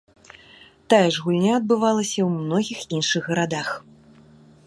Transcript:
Тая ж гульня адбывалася ў многіх іншых гарадах.